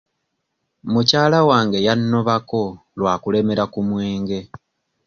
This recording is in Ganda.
Mukyala wange yannobako lwa kulemera ku mwenge.